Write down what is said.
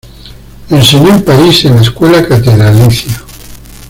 Enseñó en París, en la Escuela catedralicia.